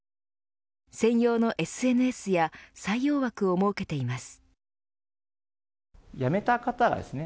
専用のＳＮＳや採用枠を設けています。